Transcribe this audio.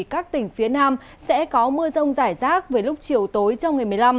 các tỉnh phía nam sẽ có mưa rông rải rác về lúc chiều tối trong ngày một mươi năm